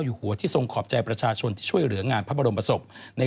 อยู่หัวที่ช่วยเหลืองานพระบรมปศพ